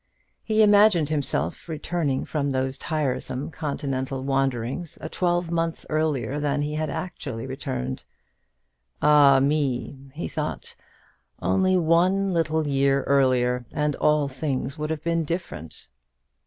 He imagined himself returning from those tiresome Continental wanderings a twelve month earlier than he had actually returned. "Ah, me!" he thought, "only one little year earlier, and all things would have been different!"